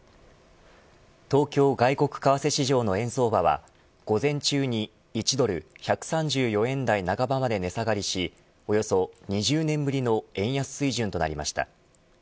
東京外国為替市場の円相場は午前中に１ドル１３４円台半ばまで値下がりしおよそ２０年ぶりの円安水準となりました。